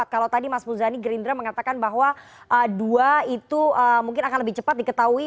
kalau tadi mas muzani gerindra mengatakan bahwa dua itu mungkin akan lebih cepat diketahui